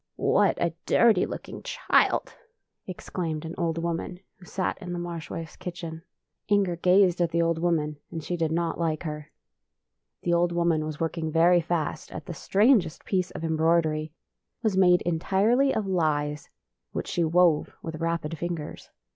" What a dirty looking child! " exclaimed INQER*S LOAF an old woman who sat in the Marsh wife's kitchen. Inger gazed at the old woman, and she did not like her. The old woman was work ing very fast at the strangest piece of em broidery. It was made entirely of lies, which she wove with rapid fingers.